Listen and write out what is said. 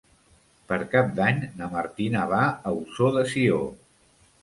Per Cap d'Any na Martina va a Ossó de Sió.